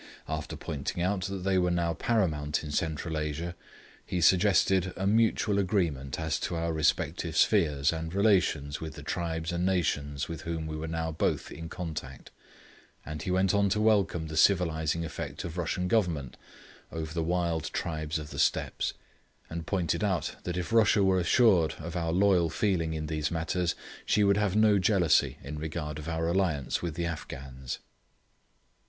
After pointing out that they were now paramount in Central Asia, he suggested a mutual agreement as to our respective spheres and relations with the tribes and nations with whom we were now both in contact, and he went on to welcome the civilising effect of Russian government over the wild tribes of the Steppes, and pointed out that if Russia were assured of our loyal feeling in these matters, she would have no jealousy in respect of our alliance with the Afghans.